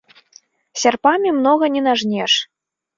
Сярпамі многа не нажнеш.